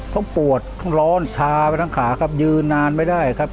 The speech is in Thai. ปวดต้องร้อนชาไปทั้งขาครับยืนนานไม่ได้ครับ